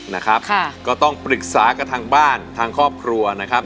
นะครับค่ะก็ต้องปรึกษากับทางบ้านทางครอบครัวนะครับ